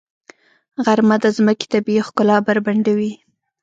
غرمه د ځمکې طبیعي ښکلا بربنډوي.